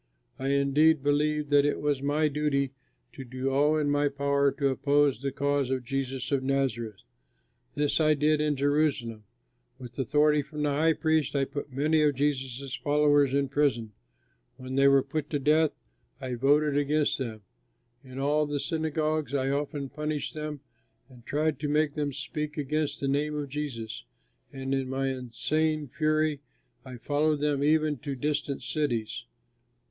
I indeed believed that it was my duty to do all in my power to oppose the cause of Jesus of Nazareth. This I did in Jerusalem. With authority from the high priests, I put many of Jesus' followers in prison. When they were put to death, I voted against them. In all the synagogues I often punished them and tried to make them speak against the name of Jesus, and in my insane fury I followed them even to distant cities.